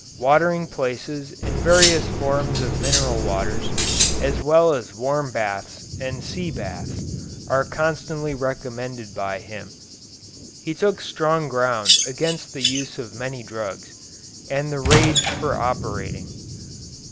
Watering places and various forms of mineral waters, as well as warm baths and sea baths, are constantly recommended by him. He took strong ground against the use of many drugs, and the rage for operating.